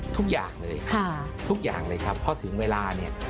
ทุกอย่างเลยค่ะทุกอย่างเลยครับเพราะถึงเวลาเนี่ย